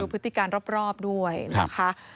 ใช่ดูพฤติการรอบด้วยนะคะ